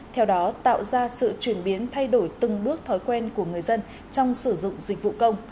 theo đó tạo ra sự chuyển biến thay đổi từng bước thói quen của người dân trong sử dụng dịch vụ công